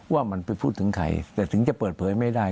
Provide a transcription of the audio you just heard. ว่ามันไปพูดถึงใครแต่ถึงจะเปิดเผยไม่ได้